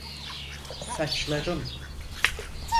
Saçların…